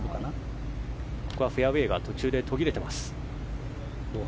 ここはフェアウェーが途中で途切れています。